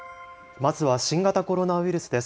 まずは新型コロナウイルスです。